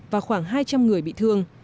và khoảng hai trăm linh người bị thương